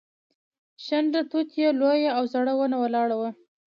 شنډه توت یوه لویه او زړه ونه ولاړه وه.